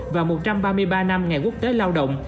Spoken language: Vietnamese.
và một trăm ba mươi ba năm ngày quốc tế lao động